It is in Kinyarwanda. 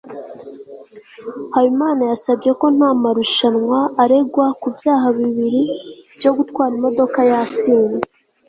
habimana yasabye ko nta marushanwa aregwa ku byaha bibiri byo gutwara imodoka yasinze